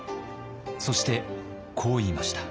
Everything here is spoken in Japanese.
そしてこう言いました。